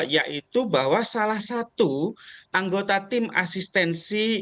yaitu bahwa salah satu anggota tim asistensi